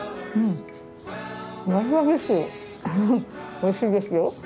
おいしいですよ。